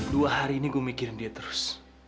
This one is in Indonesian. dua hari ini gue mikirin dia terus